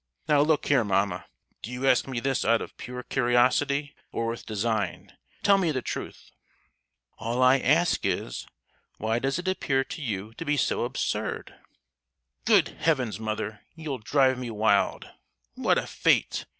"Now look here, mamma; do you ask me this out of pure curiosity, or with design? Tell me the truth." "All I ask is, why does it appear to you to be so absurd?" "Good heavens, mother, you'll drive me wild! What a fate!"